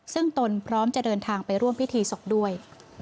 ซึ่งตนพร้อมจะเดินทางไปร่วมพิธีศพด้วย